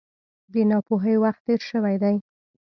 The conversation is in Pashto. د ناپوهۍ وخت تېر شوی دی.